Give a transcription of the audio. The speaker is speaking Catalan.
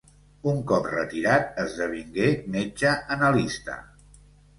Un cop retirat esdevingué metge analista.